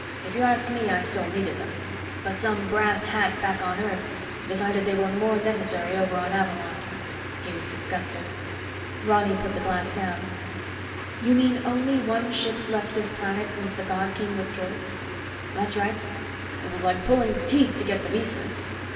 If you ask me, I still needed them, but some brass hat back on Earth decided they were more necessary over on Avalon." He was disgusted. Ronny put the glass down. "You mean only one ship's left this planet since the God King was killed?" "That's right. It was like pulling teeth to get the visas."